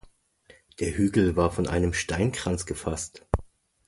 Der Hügel war von einem Steinkranz gefasst.